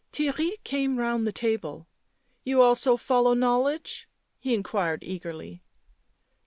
Theirry came round the table. 11 You also follow knowledge?" he inquired eagerly.